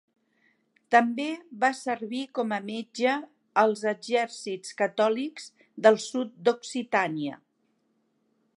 També va servir com a metge als exèrcits catòlics del sud d'Occitània.